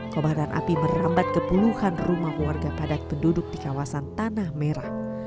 kobaran api merambat ke puluhan rumah warga padat penduduk di kawasan tanah merah